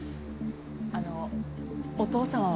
あのお父様は？